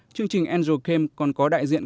chương trình angel camp còn có đại diện